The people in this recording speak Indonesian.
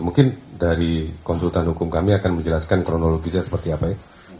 mungkin dari konsultan hukum kami akan menjelaskan kronologisnya seperti apa ya